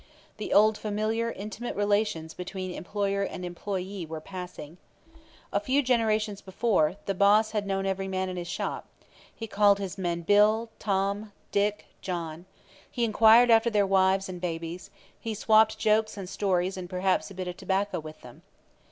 The old familiar, intimate relations between employer and employee were passing. A few generations before, the boss had known every man in his shop; he called his men Bill, Tom, Dick, John; he inquired after their wives and babies; he swapped jokes and stories and perhaps a bit of tobacco with them.